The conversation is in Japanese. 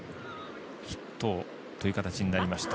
ヒットという形になりました。